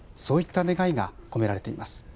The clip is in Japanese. そういった願いが込められています。